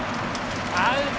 アウト。